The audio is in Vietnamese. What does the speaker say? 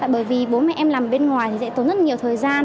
bởi vì bố mẹ em làm bên ngoài sẽ tốn rất nhiều thời gian